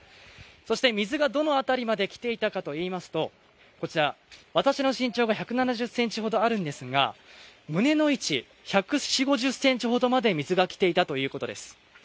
そして水がどの辺りまで来ていたかといいますと、私の身長が１７０ｃｍほどあるのですが胸の位置、１４０１５０ｃｍほどまで水が来ていたということです。